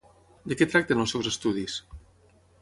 De què tracten els seus estudis?